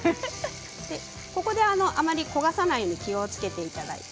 ここであまり焦がさないように気をつけていただいて。